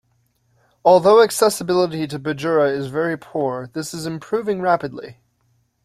Although accessibility to Bajura is very poor, this is improving rapidly.